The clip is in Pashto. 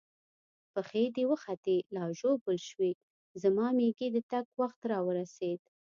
پښې دې وختي لا ژوبل شوې، زما مېږي د تګ وخت را ورسېد.